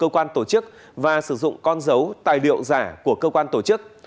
cơ quan tổ chức và sử dụng con dấu tài liệu giả của cơ quan tổ chức